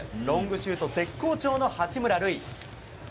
ロングシュート絶好調の八村塁。